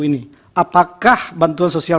ini apakah bantuan sosial